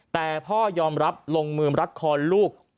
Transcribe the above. แต่พ่อยอมรับลงมือรัดคอลูก